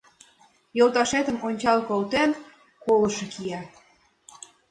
Йолташетым ончал колтет — колышо кия...